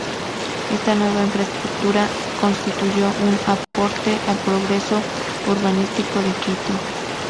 Esta nueva infraestructura constituyó un aporte al progreso urbanístico de Quito.